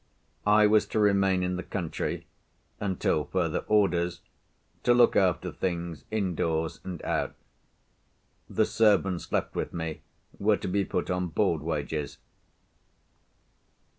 I was to remain in the country, until further orders, to look after things indoors and out. The servants left with me were to be put on board wages.